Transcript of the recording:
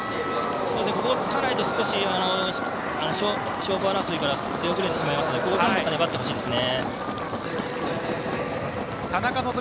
ここをつかないと少し勝負争いから出遅れてしまいますのでここ、粘ってほしいですね。